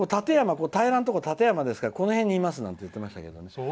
立山、平らのところですからこの辺にいますって言ってましたけどね。